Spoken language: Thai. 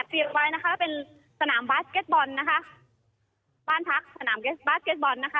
ไว้นะคะเป็นสนามบาสเก็ตบอลนะคะบ้านพักสนามบาสเก็ตบอลนะคะ